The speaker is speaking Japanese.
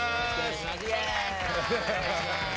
お願いします。